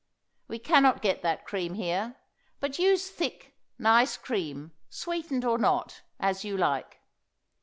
We can not get that cream here, but use thick, nice cream, sweetened or not, as you like.